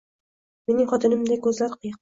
Mening xotinimday ko’zlari qiyiq.